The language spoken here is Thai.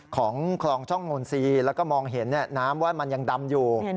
ของคลองช่องนนทรีย์แล้วก็มองเห็นน้ำว่ามันยังดำอยู่